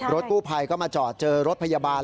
กู้ภัยก็มาจอดเจอรถพยาบาล